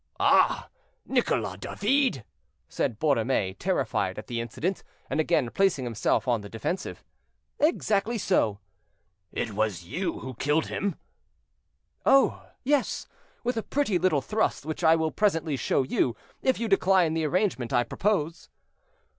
"Ah! Nicolas David!" said Borromée, terrified at the incident, and again placing himself on the defensive. "Exactly so." "It was you who killed him?" "Oh! yes, with a pretty little thrust which I will presently show you, if you decline the arrangement I propose."